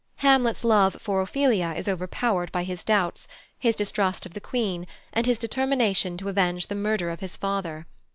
Hamlet's love for Ophelia is overpowered by his doubts, his distrust of the Queen, and his determination to avenge the murder of his father.